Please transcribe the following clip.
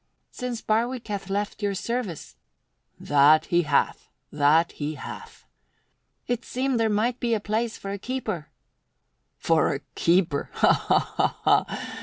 "Since Barwick hath left your service " "That he hath, that he hath!" "It seemed there might be a place for a keeper." "For a keeper? Ha, ha, ha!